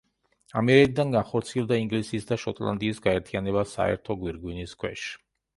ამიერიდან განხორციელდა ინგლისის და შოტლანდიის გაერთიანება საერთო გვირგვინის ქვეშ.